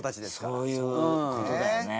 そういう事だよね。